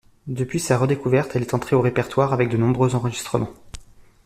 Depuis sa redécouverte, elle est entrée au répertoire avec de nombreux enregistrements.